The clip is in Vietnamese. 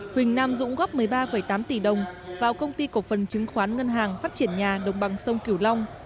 huỳnh nam dũng góp một mươi ba tám tỷ đồng vào công ty cổ phần chứng khoán ngân hàng phát triển nhà đồng bằng sông cửu long